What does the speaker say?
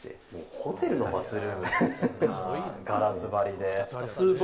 ホテルのバスルームですよ、ガラス張りで。